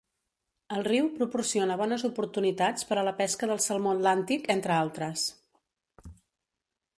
El riu proporciona bones oportunitats per a la pesca del salmó atlàntic, entre altres.